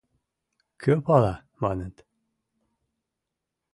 — Кӧ пала, — маныт.